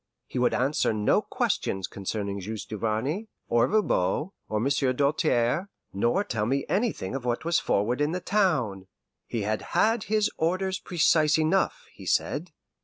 He would answer no questions concerning Juste Duvarney, or Voban, or Monsieur Doltaire, nor tell me anything of what was forward in the town. He had had his orders precise enough, he said.